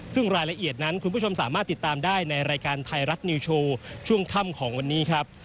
ซึ่งรายละเอียดนั้นคุณผู้ชมสามารถติดตามได้ในรายการไทยรัฐนิวโชว์ช่วงค่ำของวันนี้ครับ